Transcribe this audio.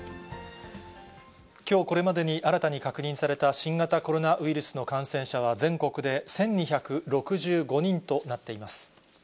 きょうこれまでに新たに確認された新型コロナウイルスの感染者は、全国で１２６５人となっています。